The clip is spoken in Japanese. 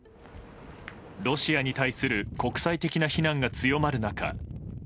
ロシアに対する国際的な非難が強まる中